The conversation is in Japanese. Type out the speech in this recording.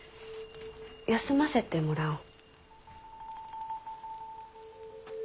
休ませてもらおう。